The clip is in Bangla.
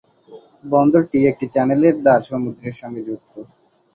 বন্দরটি একটি চ্যানেলের দ্বার সমুদ্রের সঙ্গে যুক্ত।